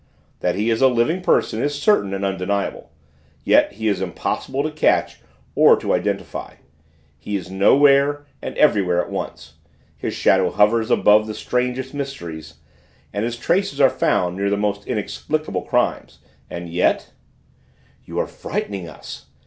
That he is a living person is certain and undeniable, yet he is impossible to catch or to identify. He is nowhere and everywhere at once, his shadow hovers above the strangest mysteries, and his traces are found near the most inexplicable crimes, and yet " "You are frightening us!"